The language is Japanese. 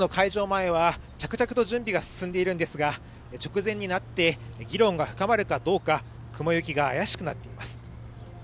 前は着々と準備が進められているんですが直前になって議論が深まるかどうか雲行きが怪しくなっています。